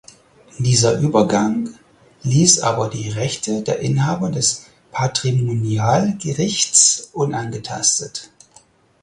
Dieser Übergang ließ aber die Rechte der Inhaber des Patrimonialgerichts unangetastet.